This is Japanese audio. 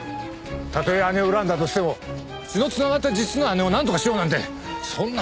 たとえ姉を恨んだとしても血の繋がった実の姉をなんとかしようなんてそんな。